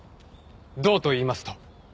どうと言いますと。